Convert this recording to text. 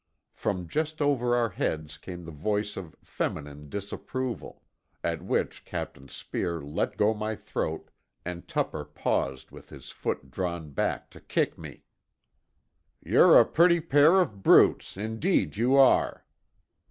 From just over our heads came the voice of feminine disapproval; at which Captain Speer let go my throat, and Tupper paused with his foot drawn back to kick me. "You're a pretty pair of brutes, indeed you are!"